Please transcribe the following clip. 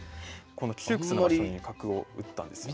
この窮屈な場所に角を打ったんですよね。